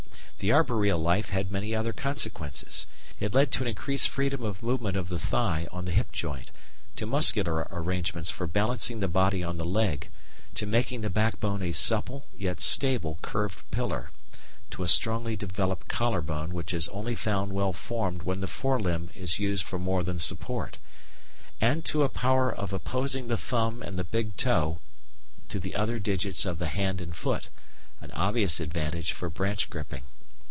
The arboreal life had many other consequences. It led to an increased freedom of movement of the thigh on the hip joint, to muscular arrangements for balancing the body on the leg, to making the backbone a supple yet stable curved pillar, to a strongly developed collar bone which is only found well formed when the fore limb is used for more than support, and to a power of "opposing" the thumb and the big toe to the other digits of the hand and foot an obvious advantage for branch gripping.